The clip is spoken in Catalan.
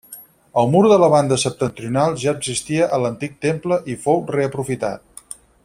El mur de la banda septentrional ja existia a l'antic temple i fou reaprofitat.